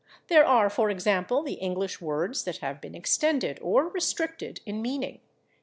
There are, for example, the English words that have been extended or restricted in meaning, /e.